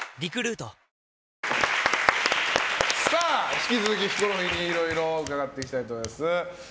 引き続きヒコロヒーにいろいろ伺っていきたいと思います。